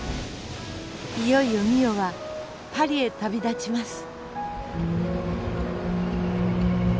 いよいよ美世はパリへ旅立ちます。